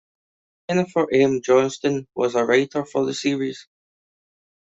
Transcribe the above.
Jennifer M. Johnson was a writer for the series.